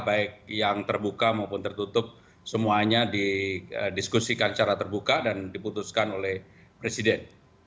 baik yang terbuka maupun tertutup semuanya didiskusikan secara terbuka dan diputuskan oleh presiden